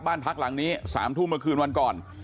บ้านพักหลังนี้๓ทุ่มเมื่อคืนวันก่อน